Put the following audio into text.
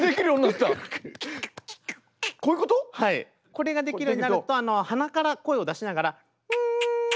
これができるようになると鼻から声を出しながら。